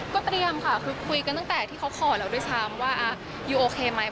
ก็เตรียมค่ะคือคุยกันตั้งแต่ที่เขาขอแล้วด้วยซ้ำว่ายูโอเคไหม